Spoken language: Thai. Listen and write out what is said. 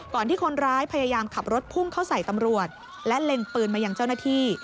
ที่คนร้ายพยายามขับรถพุ่งเข้าใส่ตำรวจและเล็งปืนมายังเจ้าหน้าที่